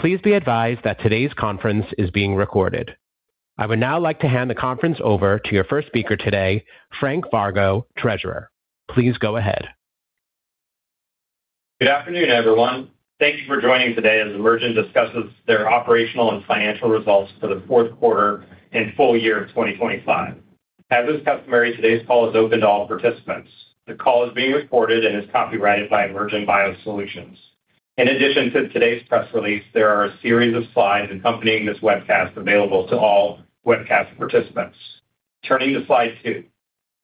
Please be advised that today's conference is being recorded. I would now like to hand the conference over to your first speaker today, Frank Vargo, Treasurer. Please go ahead. Good afternoon, everyone. Thank you for joining today as Emergent discusses their operational and financial results for the fourth quarter and full year of 2025. As is customary, today's call is open to all participants. The call is being recorded and is copyrighted by Emergent BioSolutions. In addition to today's press release, there are a series of slides accompanying this webcast available to all webcast participants. Turning to slide two.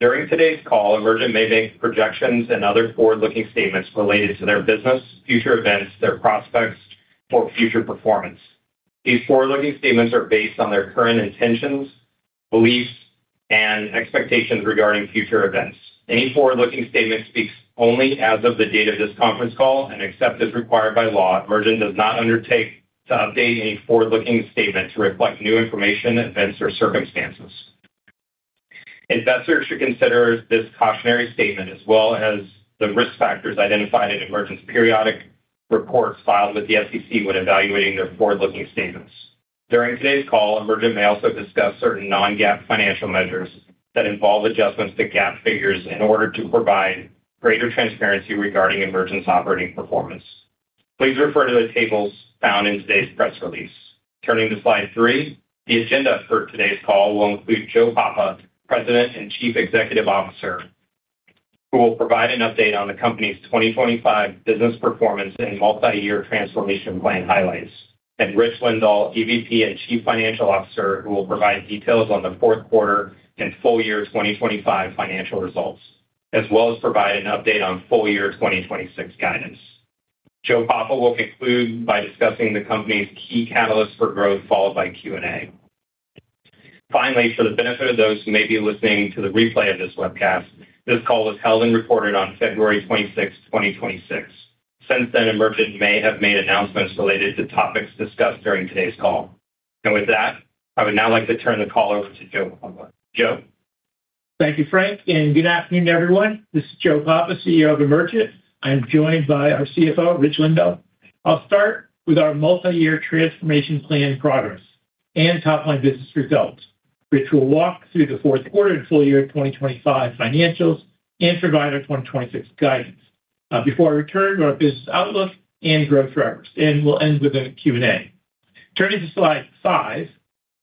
During today's call, Emergent may make projections and other forward-looking statements related to their business, future events, their prospects, or future performance. These forward-looking statements are based on their current intentions, beliefs, and expectations regarding future events. Any forward-looking statement speaks only as of the date of this conference call, and except as required by law, Emergent does not undertake to update any forward-looking statement to reflect new information, events, or circumstances. Investors should consider this cautionary statement, as well as the risk factors identified in Emergent's periodic reports filed with the SEC when evaluating their forward-looking statements. During today's call, Emergent may also discuss certain non-GAAP financial measures that involve adjustments to GAAP figures in order to provide greater transparency regarding Emergent's operating performance. Please refer to the tables found in today's press release. Turning to slide three. The agenda for today's call will include Joe Papa, President and Chief Executive Officer, who will provide an update on the company's 2025 business performance and multi-year transformation plan highlights. Rich Lindahl, EVP and Chief Financial Officer, who will provide details on the fourth quarter and full year 2025 financial results, as well as provide an update on full year 2026 guidance. Joe Papa will conclude by discussing the company's key catalysts for growth, followed by Q&A. Finally, for the benefit of those who may be listening to the replay of this webcast, this call was held and recorded on February 26, 2026. Since then, Emergent may have made announcements related to topics discussed during today's call. With that, I would now like to turn the call over to Joe Papa. Joe. Thank you, Frank, and good afternoon, everyone. This is Joe Papa, CEO of Emergent. I'm joined by our CFO, Rich Lindahl. I'll start with our multi-year transformation plan progress and top-line business results. Rich will walk through the fourth quarter and full year 2025 financials and provide our 2026 guidance. Before I return to our business outlook and growth drivers, and we'll end with a Q&A. Turning to slide five.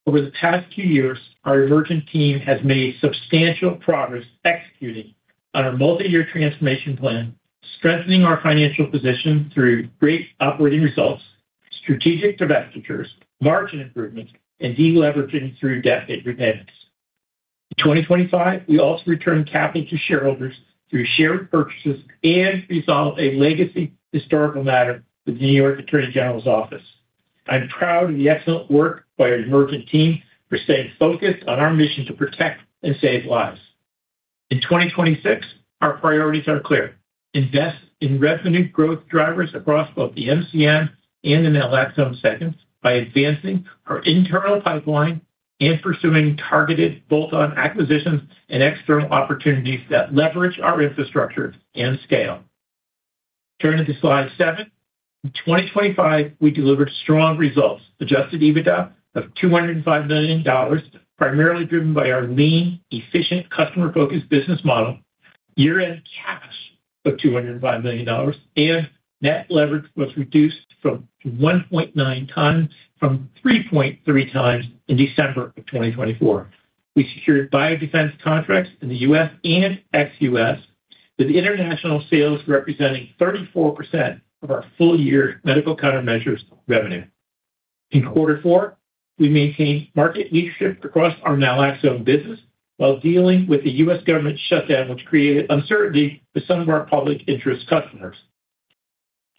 Over the past few years, our Emergent team has made substantial progress executing on our multi-year transformation plan, strengthening our financial position through great operating results, strategic divestitures, margin improvements, and deleveraging through debt repayment. In 2025, we also returned capital to shareholders through share repurchases and resolved a legacy historical matter with New York Attorney General's office. I'm proud of the excellent work by our Emergent team for staying focused on our mission to protect and save lives. In 2026, our priorities are clear. Invest in revenue growth drivers across both the MCM and the naloxone segments by advancing our internal pipeline and pursuing targeted bolt-on acquisitions and external opportunities that leverage our infrastructure and scale. Turning to slide seven. In 2025, we delivered strong results. Adjusted EBITDA of $205 million, primarily driven by our lean, efficient, customer-focused business model. Year-end cash of $205 million. Net leverage was reduced from 1.9x from 3.3x in December of 2024. We secured biodefense contracts in the U.S. and ex-U.S., with international sales representing 34% of our full year medical countermeasures revenue. In quarter four, we maintained market leadership across our naloxone business while dealing with the U.S. government shutdown, which created uncertainty with some of our public interest customers.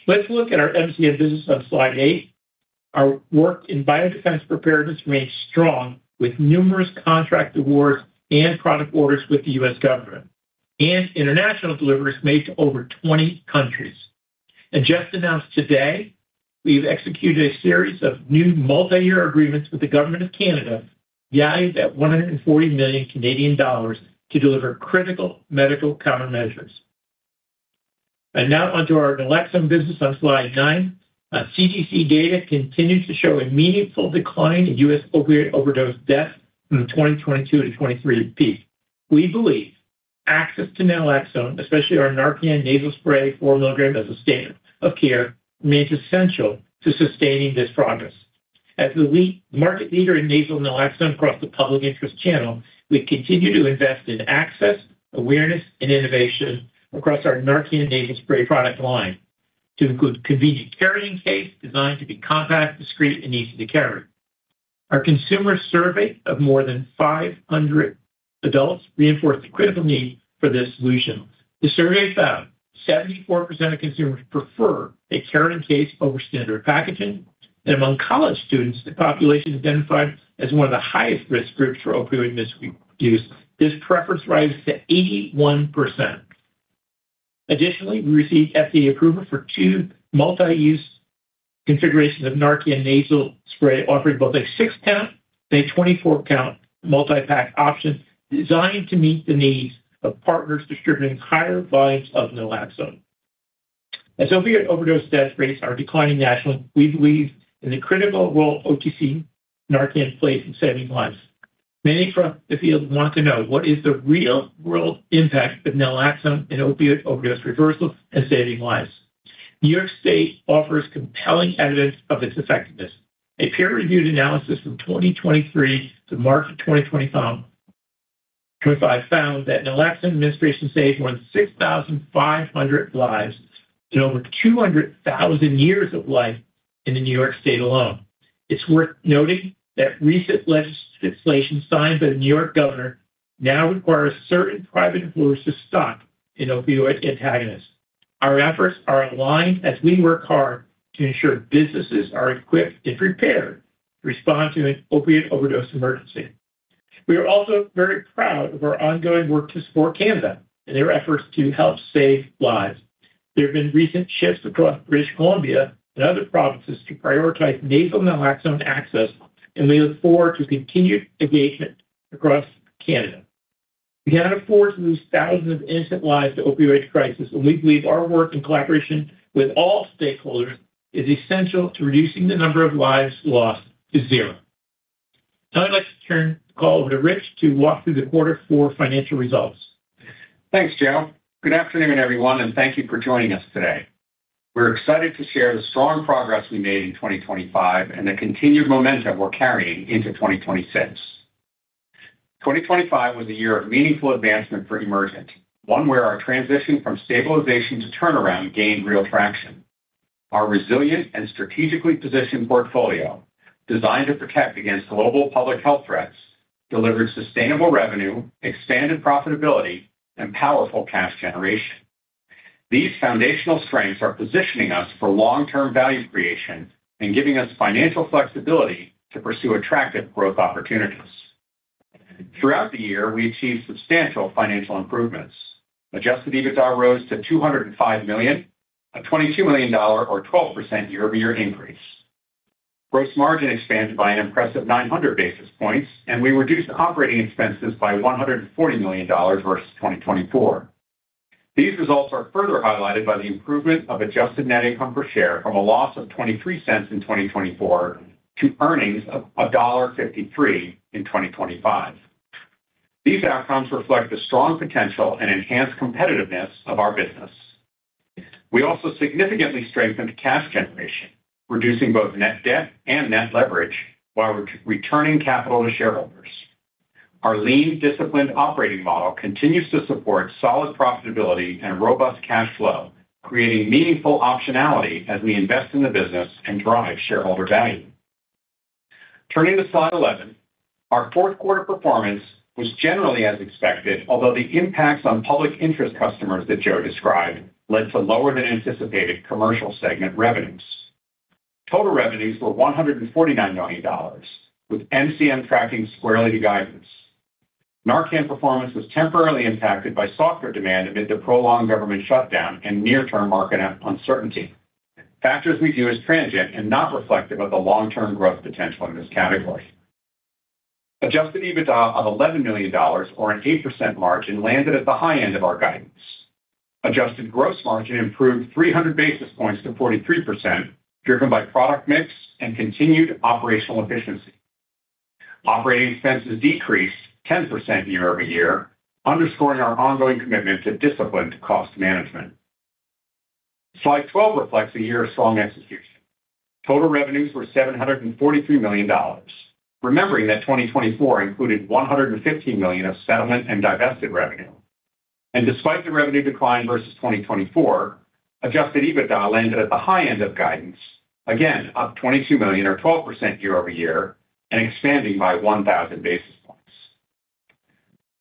Let's look at our MCM business on slide eight. Our work in biodefense preparedness remains strong, with numerous contract awards and product orders with the U.S. government. International deliveries made to over 20 countries. Just announced today, we've executed a series of new multi-year agreements with the government of Canada valued at 140 million Canadian dollars to deliver critical medical countermeasures. Now onto our naloxone business on slide nine. CDC data continues to show a meaningful decline in U.S. opioid overdose deaths from the 2022 to 2023 peak. We believe access to naloxone, especially our NARCAN Nasal Spray 4 mg as a standard of care, remains essential to sustaining this progress. As the market leader in nasal naloxone across the public interest channel, we continue to invest in access, awareness, and innovation across our NARCAN Nasal Spray product line to include convenient carrying case designed to be compact, discreet, and easy to carry. Our consumer survey of more than 500 adults reinforced the critical need for this solution. The survey found 74% of consumers prefer a carrying case over standard packaging. Among college students, the population identified as one of the highest risk groups for opioid misuse, this preference rises to 81%. Additionally, we received FDA approval for two multi-use configurations of NARCAN Nasal Spray, offering both a six-count, 24-count multi-pack option designed to meet the needs of partners distributing higher volumes of naloxone. Opiate overdose death rates are declining nationally, we believe in the critical role OTC NARCAN plays in saving lives. Many from the field want to know what is the real-world impact of naloxone in opioid overdose reversal and saving lives. New York State offers compelling evidence of its effectiveness. A peer-reviewed analysis from 2023 to March of 2025 found that naloxone administration saved more than 6,500 lives and over 200,000 years of life in New York State alone. It's worth noting that recent legislation signed by the New York governor now requires certain private employers to stock in opioid antagonists. Our efforts are aligned as we work hard to ensure businesses are equipped and prepared to respond to an opioid overdose emergency. We are also very proud of our ongoing work to support Canada in their efforts to help save lives. There have been recent shifts across British Columbia and other provinces to prioritize nasal naloxone access. We look forward to continued engagement across Canada. We cannot afford to lose thousands of innocent lives to opioid crisis. We believe our work in collaboration with all stakeholders is essential to reducing the number of lives lost to zero. I'd like to turn the call over to Rich to walk through the quarter four financial results. Thanks, Joe. Good afternoon, everyone, thank you for joining us today. We're excited to share the strong progress we made in 2025 and the continued momentum we're carrying into 2026. 2025 was a year of meaningful advancement for Emergent, one where our transition from stabilization to turnaround gained real traction. Our resilient and strategically positioned portfolio, designed to protect against global public health threats, delivered sustainable revenue, expanded profitability, and powerful cash generation. These foundational strengths are positioning us for long-term value creation and giving us financial flexibility to pursue attractive growth opportunities. Throughout the year, we achieved substantial financial improvements. Adjusted EBITDA rose to $205 million, a $22 million or 12% year-over-year increase. Gross margin expanded by an impressive 900 basis points, and we reduced operating expenses by $140 million versus 2024. These results are further highlighted by the improvement of adjusted net income per share from a loss of $0.23 in 2024 to earnings of $1.53 in 2025. These outcomes reflect the strong potential and enhanced competitiveness of our business. We also significantly strengthened cash generation, reducing both net debt and net leverage while re-returning capital to shareholders. Our lean, disciplined operating model continues to support solid profitability and robust cash flow, creating meaningful optionality as we invest in the business and drive shareholder value. Turning to slide 11, our fourth quarter performance was generally as expected, although the impacts on public interest customers that Joe described led to lower than anticipated commercial segment revenues. Total revenues were $149 million, with MCM tracking squarely to guidance. NARCAN performance was temporarily impacted by softer demand amid the prolonged government shutdown and near-term market uncertainty. Factors we view as transient and not reflective of the long-term growth potential in this category. Adjusted EBITDA of $11 million or an 8% margin landed at the high end of our guidance. Adjusted gross margin improved 300 basis points to 43%, driven by product mix and continued operational efficiency. Operating expenses decreased 10% year-over-year, underscoring our ongoing commitment to disciplined cost management. Slide 12 reflects a year of strong execution. Total revenues were $743 million. Remembering that 2024 included $150 million of settlement and divested revenue. Despite the revenue decline versus 2024, adjusted EBITDA landed at the high end of guidance, again up $22 million or 12% year-over-year and expanding by 1,000 basis points.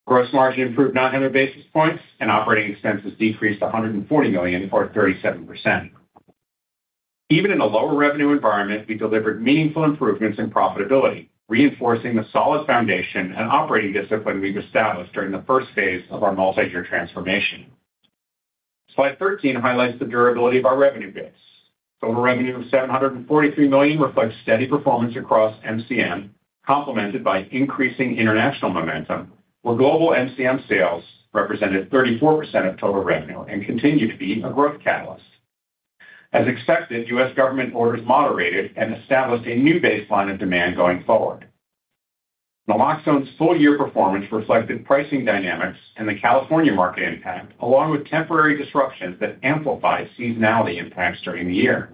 Gross margin improved 900 basis points and operating expenses decreased to $140 million or 37%. Even in a lower revenue environment, we delivered meaningful improvements in profitability, reinforcing the solid foundation and operating discipline we've established during the first phase of our multi-year transformation. Slide 13 highlights the durability of our revenue base. Total revenue of $743 million reflects steady performance across MCM, complemented by increasing international momentum, where global MCM sales represented 34% of total revenue and continue to be a growth catalyst. As expected, U.S. government orders moderated and established a new baseline of demand going forward. Naloxone's full-year performance reflected pricing dynamics and the California market impact, along with temporary disruptions that amplified seasonality impacts during the year.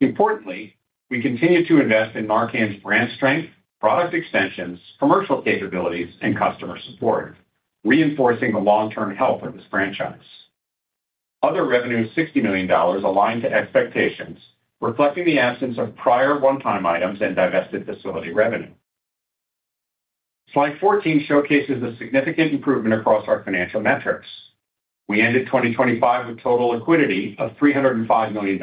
Importantly, we continue to invest in NARCAN's brand strength, product extensions, commercial capabilities, and customer support, reinforcing the long-term health of this franchise. Other revenue of $60 million aligned to expectations, reflecting the absence of prior one-time items and divested facility revenue. Slide 14 showcases a significant improvement across our financial metrics. We ended 2025 with total liquidity of $305 million,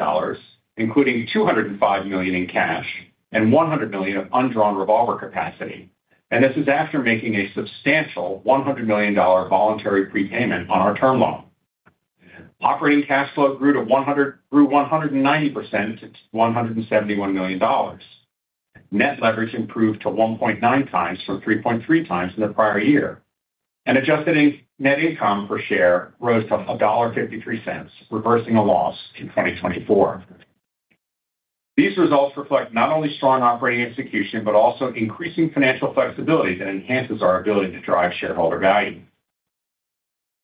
including $205 million in cash and $100 million of undrawn revolver capacity. This is after making a substantial $100 million voluntary prepayment on our term loan. Operating cash flow grew 190% to $171 million. Net leverage improved to 1.9x from 3.3x in the prior year. Adjusted net income per share rose to $1.53, reversing a loss in 2024. These results reflect not only strong operating execution, but also increasing financial flexibility that enhances our ability to drive shareholder value.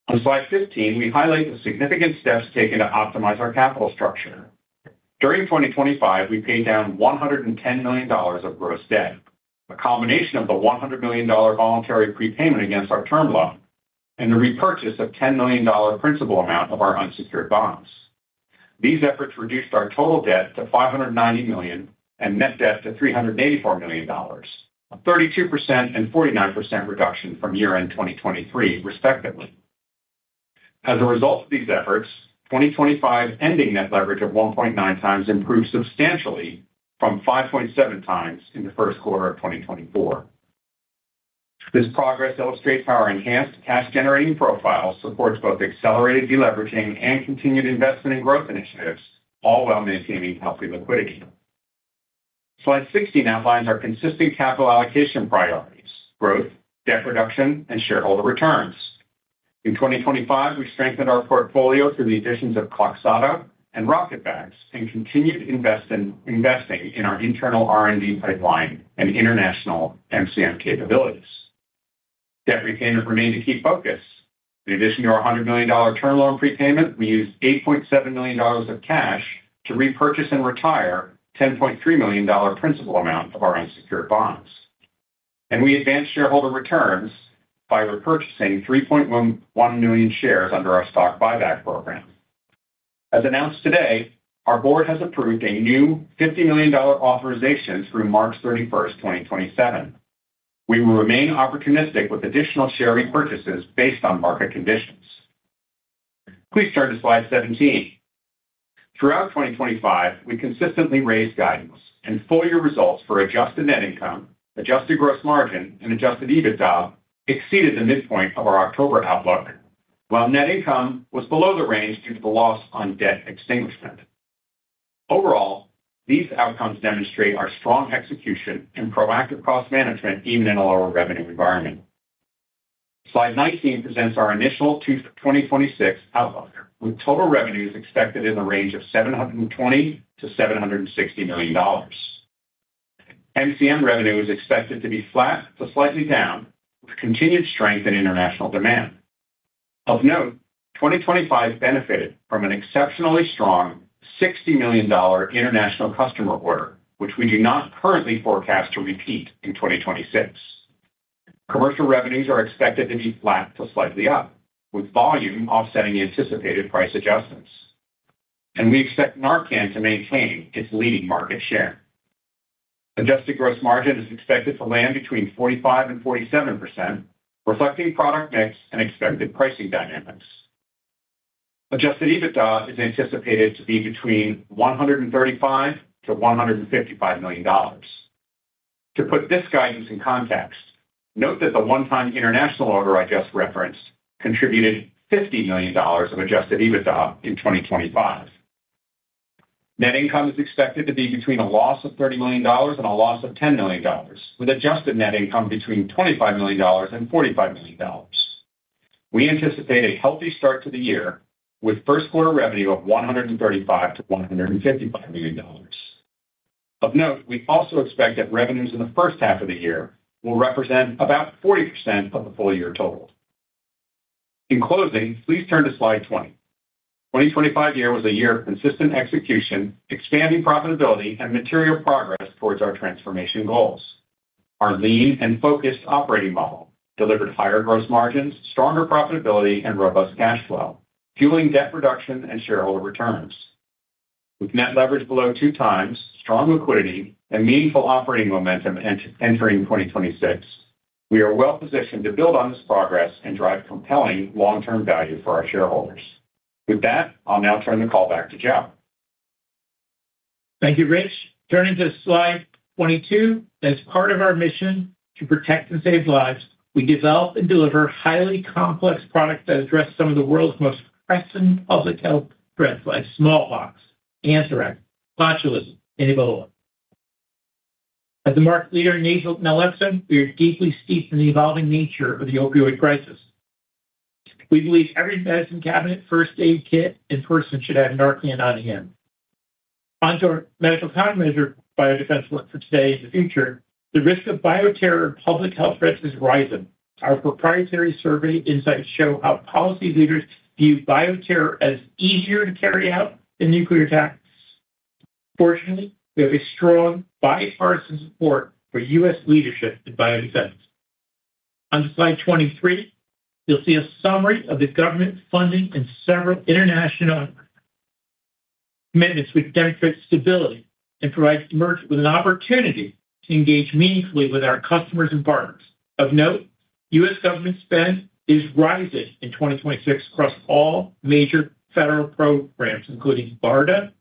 On slide 15, we highlight the significant steps taken to optimize our capital structure. During 2025, we paid down $110 million of gross debt, a combination of the $100 million voluntary prepayment against our term loan and the repurchase of $10 million principal amount of our unsecured bonds. These efforts reduced our total debt to $590 million and net debt to $384 million, a 32% and 49% reduction from year-end 2023 respectively. As a result of these efforts, 2025 ending net leverage of 1.9x improved substantially from 5.7x in the first quarter of 2024. This progress illustrates how our enhanced cash-generating profile supports both accelerated deleveraging and continued investing in our internal R&D pipeline and international MCM capabilities. Debt repayment remained a key focus. In addition to our $100 million term loan prepayment, we used $8.7 million of cash to repurchase and retire $10.3 million principal amount of our unsecured bonds. We advanced shareholder returns by repurchasing 3.11 million shares under our stock buyback program. As announced today, our board has approved a new $50 million authorization through March 31st, 2027. We will remain opportunistic with additional share repurchases based on market conditions. Please turn to slide 17. Throughout 2025, we consistently raised guidance and full year results for adjusted net income, adjusted gross margin, and adjusted EBITDA exceeded the midpoint of our October outlook. While net income was below the range due to the loss on debt extinguishment. Overall, these outcomes demonstrate our strong execution and proactive cost management even in a lower revenue environment. Slide 19 presents our initial 2026 outlook, with total revenues expected in the range of $720 million-$760 million. MCM revenue is expected to be flat to slightly down, with continued strength in international demand. Of note, 2025 benefited from an exceptionally strong $60 million international customer order, which we do not currently forecast to repeat in 2026. Commercial revenues are expected to be flat to slightly up, with volume offsetting the anticipated price adjustments. We expect NARCAN to maintain its leading market share. Adjusted gross margin is expected to land between 45%-47%, reflecting product mix and expected pricing dynamics. Adjusted EBITDA is anticipated to be between $135 million-$155 million. To put this guidance in context, note that the one-time international order I just referenced contributed $50 million of adjusted EBITDA in 2025. Net income is expected to be between a loss of $30 million and a loss of $10 million, with adjusted net income between $25 million and $45 million. We anticipate a healthy start to the year, with first quarter revenue of $135 million-$155 million. Of note, we also expect that revenues in the first half of the year will represent about 40% of the full year total. In closing, please turn to slide 20. 2025 year was a year of consistent execution, expanding profitability, and material progress towards our transformation goals. Our lean and focused operating model delivered higher gross margins, stronger profitability, and robust cash flow, fueling debt reduction and shareholder returns. With net leverage below 2x, strong liquidity, and meaningful operating momentum entering 2026, we are well positioned to build on this progress and drive compelling long-term value for our shareholders. With that, I'll now turn the call back to Joe. Thank you, Rich. Turning to slide 22. As part of our mission to protect and save lives, we develop and deliver highly complex products that address some of the world's most pressing public health threats like smallpox, anthrax, botulism, and Ebola. As the market leader in nasal naloxone, we are deeply steeped in the evolving nature of the opioid crisis. We believe every medicine cabinet, first aid kit, and person should have NARCAN on hand. Onto our medical countermeasure biodefense for today and the future. The risk of bioterror and public health threats is rising. Our proprietary survey insights show how policy leaders view bioterror as easier to carry out than nuclear attacks. Fortunately, we have a strong bipartisan support for U.S. leadership in biodefense. On slide 23, you'll see a summary of the government funding and several international commitments which demonstrate stability and provides Emergent with an opportunity to engage meaningfully with our customers and partners. Of note, U.S. government spend is rising in 2026 across all major federal programs, including BARDA,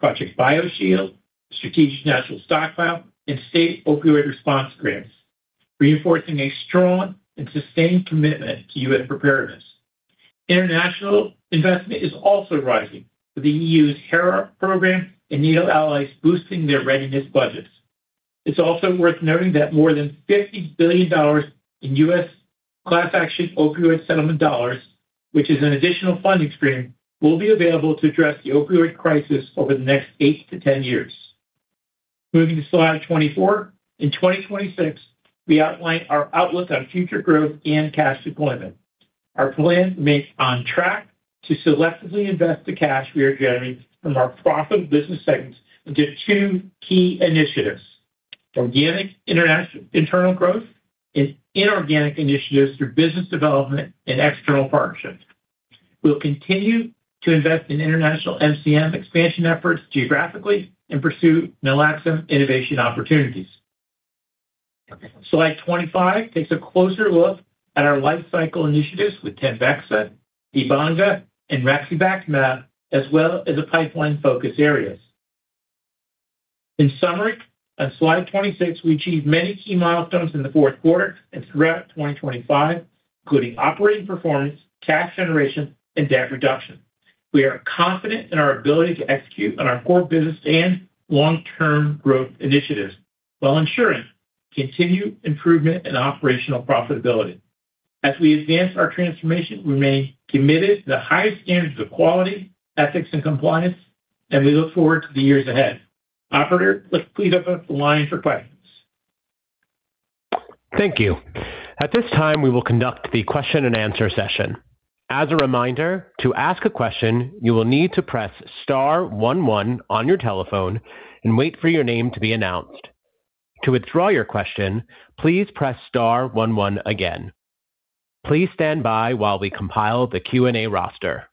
Project BioShield, Strategic National Stockpile, and State Opioid Response grants. Reinforcing a strong and sustained commitment to U.S. preparedness. International investment is also rising, with the EU's HERA program and NATO allies boosting their readiness budgets. It's also worth noting that more than $50 billion in U.S. class action opioid settlement dollars, which is an additional funding stream, will be available to address the opioid crisis over the next 8-10 years. Moving to slide 24. In 2026, we outlined our outlook on future growth and cash deployment. Our plan remains on track to selectively invest the cash we are generating from our profit business segments into two key initiatives, organic internal growth and inorganic initiatives through business development and external partnerships. We'll continue to invest in international MCM expansion efforts geographically and pursue Milaxim innovation opportunities. Slide 25 takes a closer look at our life cycle initiatives with TEMBEXA, Ebanga, and raxibacumab, as well as the pipeline focus areas. In summary, on slide 26, we achieved many key milestones in the fourth quarter and throughout 2025, including operating performance, cash generation, and debt reduction. We are confident in our ability to execute on our core business and long-term growth initiatives while ensuring continued improvement in operational profitability. As we advance our transformation, we remain committed to the highest standards of quality, ethics, and compliance, and we look forward to the years ahead. Operator, let's please open up the line for questions. Thank you. At this time, we will conduct the question-and-answer session. As a reminder, to ask a question, you will need to press star one one on your telephone and wait for your name to be announced. To withdraw your question, please press star one one again. Please stand by while we compile the Q&A roster.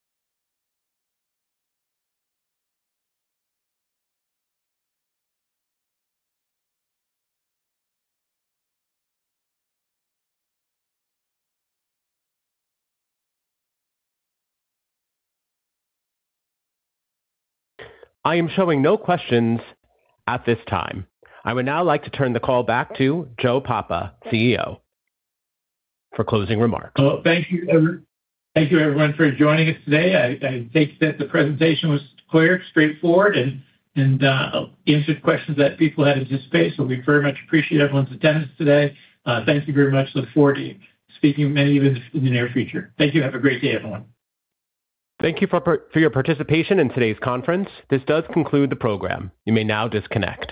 I am showing no questions at this time. I would now like to turn the call back to Joe Papa, CEO, for closing remarks. Well, thank you, everyone, for joining us today. I think that the presentation was clear, straightforward, and answered questions that people had in this space. We very much appreciate everyone's attendance today. Thank you very much. Look forward to speaking with many of you in the near future. Thank you. Have a great day, everyone. Thank you for your participation in today's conference. This does conclude the program. You may now disconnect.